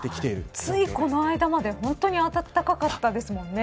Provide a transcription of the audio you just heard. ついこの間まで本当に暖かかったですもんね。